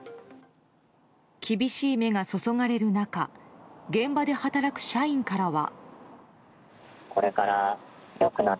厳しい目が注がれる中現場で働く社員からは。